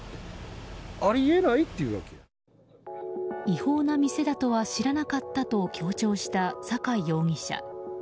違法な店だとは知らなかったと強調した酒井容疑者。